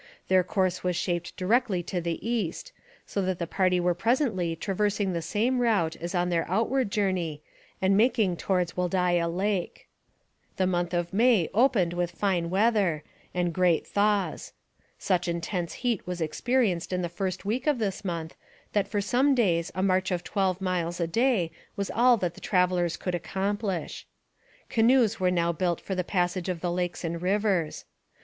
Their course was shaped directly to the east, so that the party were presently traversing the same route as on their outward journey and making towards Wholdaia Lake. The month of May opened with fine weather and great thaws. Such intense heat was experienced in the first week of this month that for some days a march of twelve miles a day was all that the travellers could accomplish. Canoes were now built for the passage of the lakes and rivers.